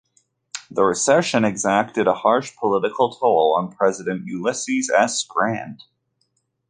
The recession exacted a harsh political toll on President Ulysses S. Grant.